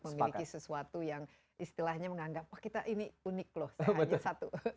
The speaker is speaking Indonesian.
memiliki sesuatu yang istilahnya menganggap kita ini unik loh sehatnya betul betul betul betul betul betul